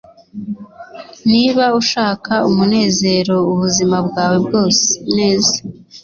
niba ushaka umunezero ubuzima bwawe bwose, neza